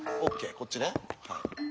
こっちね。